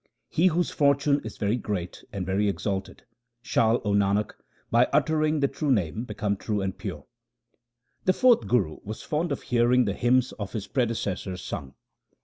He whose fortune is very great and very exalted, Shall, O Nanak, by uttering the true Name become true and pure. The fourth Guru was fond of hearing the hymns of his predecessors sung.